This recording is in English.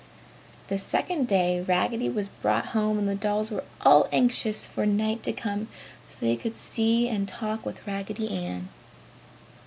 The second day Raggedy was brought home and the dolls were all anxious for night to come so that they could see and talk with Raggedy Ann.